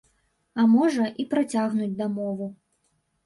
А можа, і працягнуць дамову.